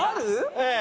ええ。